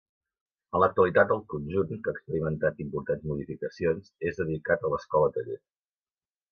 En l'actualitat, el conjunt, que ha experimentat importants modificacions, és dedicat a l'Escola Taller.